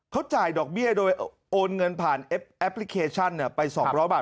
เขาจ่ายดอกเบี้ยโดยโอนเงินผ่านแอปพลิเคชันไป๒๐๐บาท